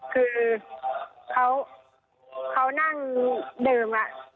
คือเขานั่งเดิม